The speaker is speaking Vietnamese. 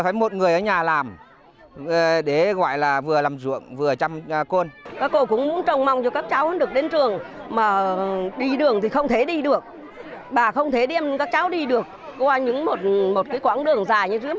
bà không thể đem các cháu đi được qua những một cái quãng đường dài như dưới mà giao thông khó khăn như dưới